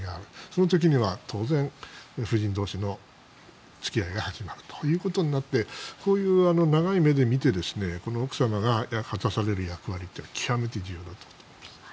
その時には当然夫人同士の付き合いが始まるということになってそういう長い目で見てこの奥様が果たされる役割って極めて重要だと思っています。